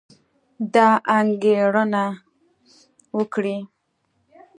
دا انګېرنه وکړئ